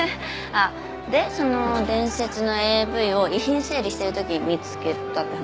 でその伝説のＡＶを遺品整理してる時に見つけたって話？